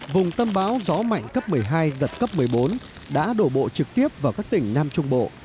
vùng tâm báo gió mạnh cấp một mươi hai giật cấp một mươi bốn đã đổ bộ trực tiếp vào các tỉnh nam trung bộ